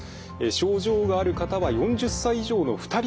症状がある方は４０歳以上の２人に１人。